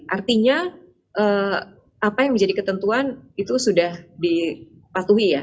artinya apa yang menjadi ketentuan itu sudah dipatuhi ya